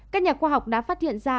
các nhà khoa học đã phát hiện ra